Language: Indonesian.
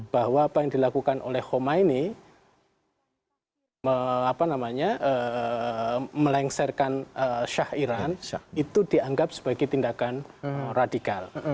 bahwa apa yang dilakukan oleh khomeini melengsarkan shah iran itu dianggap sebagai tindakan radikal